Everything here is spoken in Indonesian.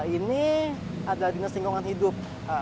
ini ada dinas lingkungan hidup